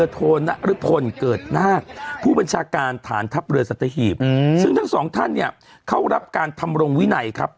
โทนรพลเกิดหน้าผู้บัญชาการฐานทัพเรือสัตเทฮีบซึ่งทั้งสองท่านเนี่ยเข้ารับการทำรวงวินัยครับ